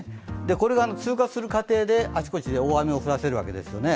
これが通過する過程であちこちで大雨を降らせるわけですね。